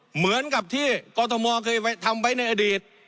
เหมือนกับที่กรทมเคยทำไว้ในอดีต